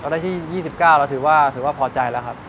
เราได้ที่๒๙เราถือว่าพอใจแล้วครับ